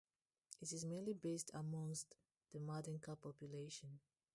It is mainly based amongst the Mandinka population.